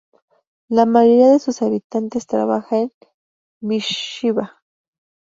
La mayoría de sus habitantes trabaja en Beersheba.